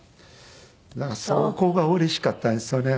だからそこがうれしかったですよね。